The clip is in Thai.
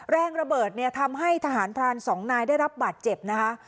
แรงระเบิดเนี่ยทำให้ทหารพรานสองนายได้รับบาดเจ็บนะคะ